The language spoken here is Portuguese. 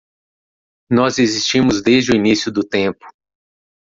Nós existimos desde o início do tempo.